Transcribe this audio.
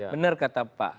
benar kata pak